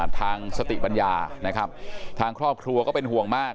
ทางสติปัญญานะครับทางครอบครัวก็เป็นห่วงมาก